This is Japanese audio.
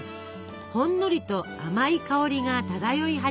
ほんのりと甘い香りが漂い始めます。